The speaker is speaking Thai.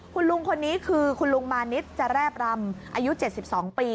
คุณลุงคนนี้คือคุณลุงมานิดจะแรบรำอายุ๗๒ปี